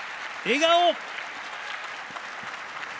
笑顔！